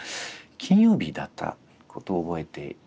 金曜日だったことを覚えています。